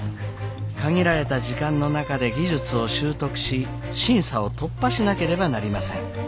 限られた時間の中で技術を習得し審査を突破しなければなりません。